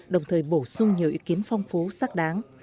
đồng thời bổ sung nhiều ý kiến phong phú xác đáng